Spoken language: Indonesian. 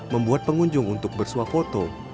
membuat pengunjung untuk bersuah foto